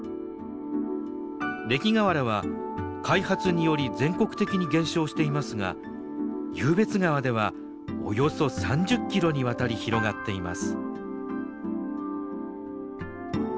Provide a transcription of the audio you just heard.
礫河原は開発により全国的に減少していますが湧別川ではおよそ３０キロにわたり広がっています。